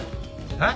えっ！？